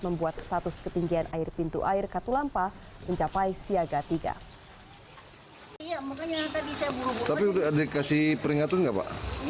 membuat status ketinggian air pintu air katulampa mencapai siaga tiga